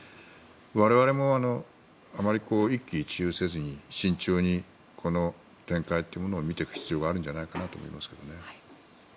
我々もあまり一喜一憂せずに慎重にこの展開というものを見ていく必要があるのかと思いますけどね。